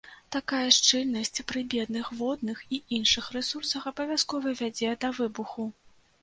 Такая шчыльнасць пры бедных водных і іншых рэсурсах абавязкова вядзе да выбуху.